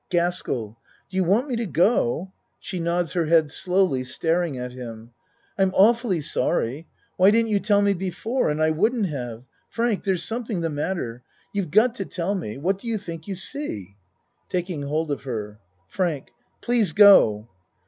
GASKELL Do you want me to go? (She nods her head slowly staring at him.) I'm awfully sorry. Why didn't you tell me before and I wouldn't have Frank there's something the mat ter. You've got to tell me. What do you think you see? (Taking hold of her.) FRANK Please go.